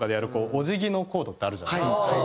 お辞儀のコードってあるじゃないですか。